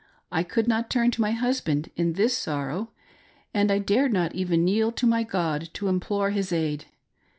I could not turn to my husband in this sorrow, and I dared not even kneel to my God to implore His aid.